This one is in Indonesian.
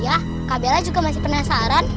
iya kak bella juga masih penasaran